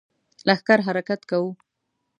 لښکر حرکت کوو.